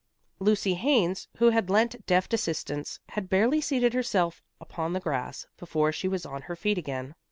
Lucy Haines, who had lent deft assistance, had barely seated herself upon the grass, before she was on her feet again.